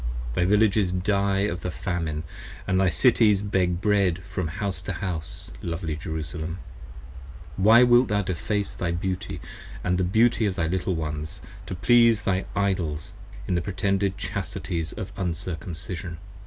Thy Villages die of the Famine, and thy Cities Beg bread from house to house, lovely Jerusalem. Why wilt thou deface thy beauty & the beauty of thy little ones 30 To please thy Idols, in the pretended chastities of Uncircumcision?